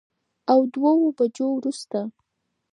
او دوو بجو وروسته